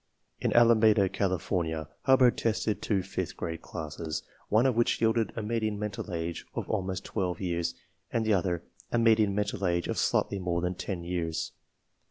In Alameda, Califor nia, Hubbard tested two fifth grade classes, one of which yielded a median mental age of almost 12 years and the other a median mental age of slightly more than 10 years.